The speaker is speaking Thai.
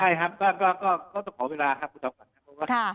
ใช่ครับก็จะขอเวลาครับคุณศัพท์ก่อนครับ